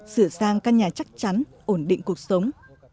sửa sang căn nhà chắc chắn ổn định cuộc sống